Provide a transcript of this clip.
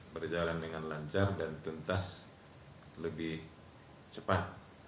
berjalan dengan lancar dan tuntas lebih cepat